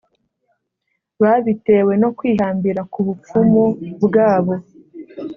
babitewe no kwihambira ku bupfumu bwabo,